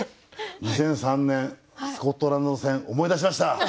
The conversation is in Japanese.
２００３年スコットランド戦思い出しました。